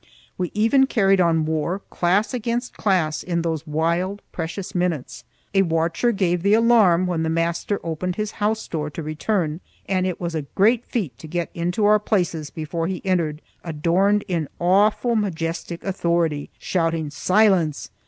We even carried on war, class against class, in those wild, precious minutes. A watcher gave the alarm when the master opened his house door to return, and it was a great feat to get into our places before he entered, adorned in awful majestic authority, shouting "Silence!"